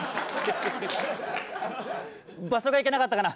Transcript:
場所がいけなかったかな？